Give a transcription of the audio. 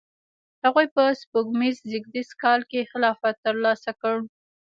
هغوی په سپوږمیز زیږدیز کال کې خلافت ترلاسه کړ.